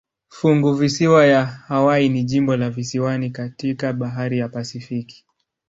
Funguvisiwa ya Hawaii ni jimbo la visiwani katika bahari ya Pasifiki.